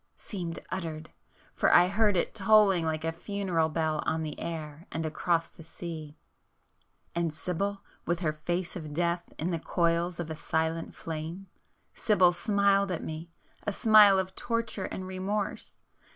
seemed uttered, for I heard it tolling like a funeral bell on the air and across the sea! ... And Sibyl, with her face of death in the coils of a silent flame, ... Sibyl smiled at me!——a smile of torture and remorse!